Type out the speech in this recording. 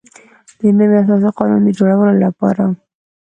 د نوي اساسي قانون د جوړولو لپاره.